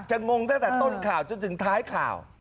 งงตั้งแต่ต้นข่าวจนถึงท้ายข่าว